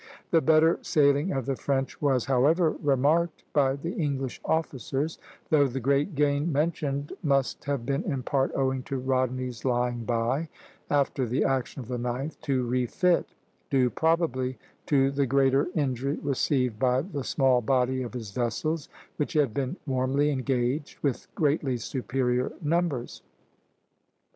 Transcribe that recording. The better sailing of the French was, however, remarked by the English officers, though the great gain mentioned must have been in part owing to Rodney's lying by, after the action of the 9th, to refit, due probably to the greater injury received by the small body of his vessels, which had been warmly engaged, with greatly superior numbers.